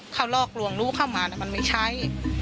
เขาลอกลวงรู้เข้ามามันไม่ใช้